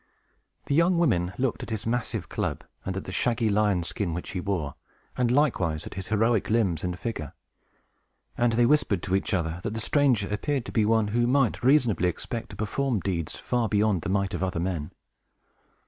The young women looked at his massive club, and at the shaggy lion's skin which he wore, and likewise at his heroic limbs and figure; and they whispered to each other that the stranger appeared to be one who might reasonably expect to perform deeds far beyond the might of other men.